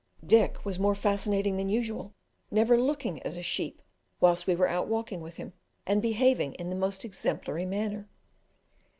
Dick was more fascinating than usual, never looking at a sheep whilst we were out walking with him, and behaving in the most exemplary manner.